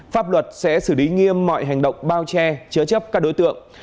pháp luật sẽ xử lý nghiêm mọi hành động bao che chứa chấp các đối tượng